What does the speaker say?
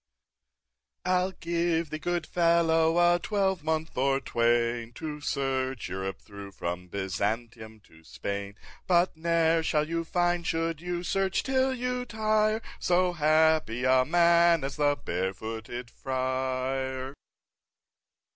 1. I'll give thee, good fellow, a twelvemonth or twain, To search Europe through, from Byzantium to Spain; But ne'er shall you find, should you search till you tire, So happy a man as the Barefooted Friar.